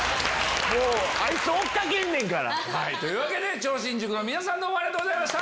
あいつ追っ掛けんねんから。というわけで超新塾の皆さんどうもありがとうございました。